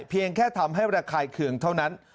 เพียงแค่ทำให้ระคายเคืองเท่านั้น